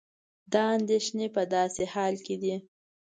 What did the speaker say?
دا اندېښنې په داسې حال کې دي